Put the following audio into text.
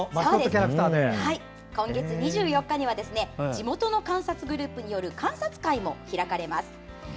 今月２４日には地元の観察グループによる観察会も開かれます。